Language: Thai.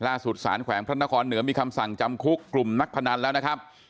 สารแขวงพระนครเหนือมีคำสั่งจำคุกกลุ่มนักพนันแล้วนะครับ